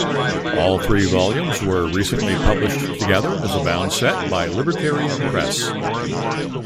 All three volumes were recently published together as a bound set by Libertarian Press.